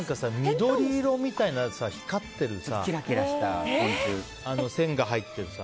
緑色みたいな光ってるさ線が入ってる。